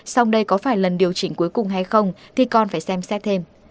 xong đây có phải lần điều chỉnh cuối cùng hay không thì con phải xem xét thêm